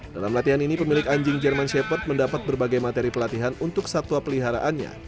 dalam latihan ini pemilik anjing german shepher mendapat berbagai materi pelatihan untuk satwa peliharaannya